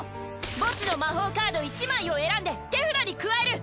墓地の魔法カード１枚を選んで手札に加える！